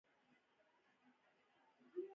د یونانو باختري پاچاهان ډیر وو